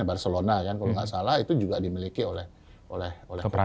barcelona kan kalau nggak salah itu juga dimiliki oleh pertama